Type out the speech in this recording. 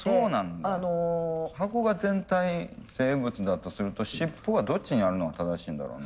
箱が全体生物だとすると尻尾がどっちにあるのが正しいんだろう？